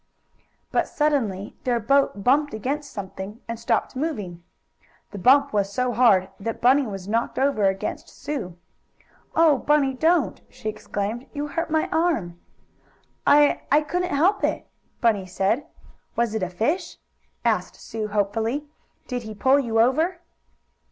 But suddenly their boat bumped against something, and stopped moving. The bump was so hard that Bunny was knocked over against Sue. "Oh, Bunny, don't!" she exclaimed. "You hurt my arm!" "I I couldn't help it," Bunny said. "Was it a fish?" asked Sue, hopefully, "Did he pull you over?"